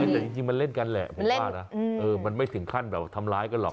แต่จริงมันเล่นกันแหละผมว่านะมันไม่ถึงขั้นแบบทำร้ายกันหรอก